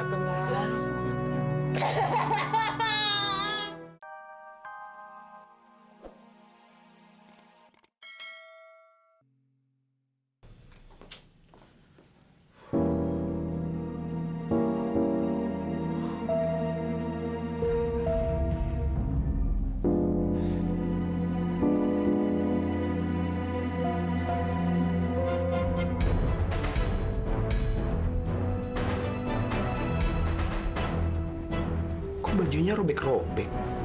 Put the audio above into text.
kok bajunya robek robek